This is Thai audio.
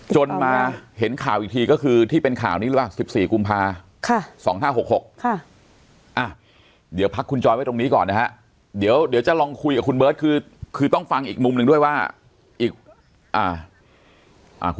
จนมาเห็นข่าวอีกทีก็คือที่เป็นข่าวนี้หรือเปล่า๑๔กุมภาค่ะ๒๕๖๖